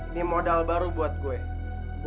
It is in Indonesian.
ini modal baru untuk saya